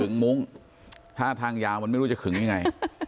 มุ้งถ้าทางยาวมันไม่รู้จะขึงยังไง